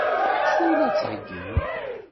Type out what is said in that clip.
D acu i la d-ttheggin?